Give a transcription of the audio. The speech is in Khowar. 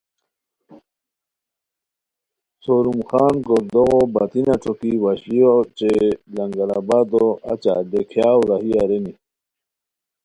سوروم خان گوردوغو باتینہ ݯوکی وشلیو اوچے لنگر آبادو اچہ ڈیکیاؤ راہی ارینی